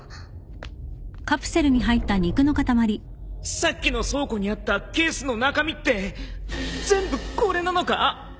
さっきの倉庫にあったケースの中身って全部これなのか！？